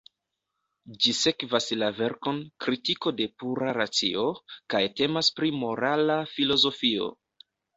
Ĝi sekvas la verkon "Kritiko de Pura Racio" kaj temas pri morala filozofio.